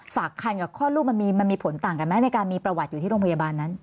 ฝากคันกับคลอดลูกมันมีผลต่างกันไหมในการมีประวัติอยู่ที่โรงพยาบาลนั้น